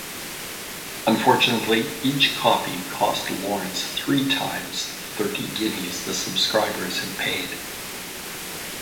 Unfortunately, each copy cost Lawrence three times the thirty guineas the subscribers had paid.